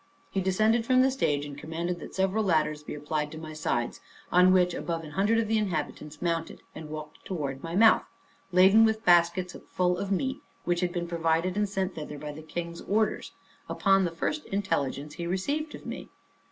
He descended from the stage, and commanded that several ladders should be applied to my sides, on which above an hundred of the inhabitants mounted, and walked towards my mouth, laden with baskets full of meat, which had been provided and sent thither by the king's orders, upon the first intelligence he received of me.